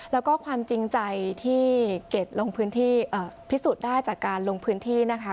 แล้วก็ความจริงใจที่เกรดลงพื้นที่พิสูจน์ได้จากการลงพื้นที่นะคะ